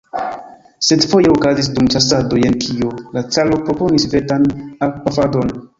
Sed foje okazis dum ĉasado jen kio: la caro proponis vetan arkpafadon.